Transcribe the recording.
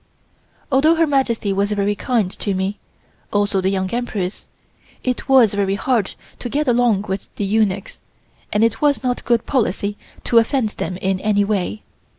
Although Her Majesty was very kind to me, also the Young Empress, it was very hard to get along with eunuchs, and it was not good policy to offend them in any way.